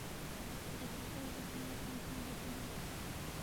عقیدہ اور یقین اپنا اپنا ہوتا ہے۔